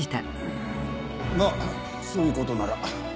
まあそういうことなら。